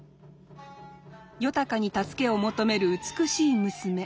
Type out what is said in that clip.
夜鷹に助けを求める美しい娘。